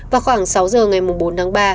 vào khoảng sáu h ngày bốn tháng ba